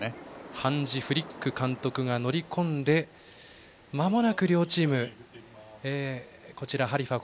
ハンジ・フリック監督が乗り込んでまもなく両チームハリファ